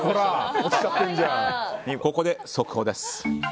ここで速報です。